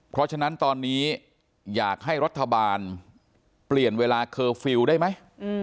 เพราะฉะนั้นตอนนี้อยากให้รัฐบาลเปลี่ยนเวลาเคอร์ฟิลล์ได้ไหม